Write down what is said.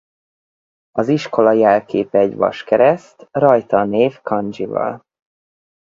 Az iskola jelképe egy Vaskereszt rajta a név kandzsival.